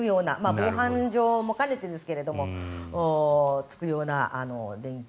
防犯上も兼ねてですけどつくような電気。